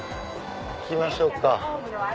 行きましょうか。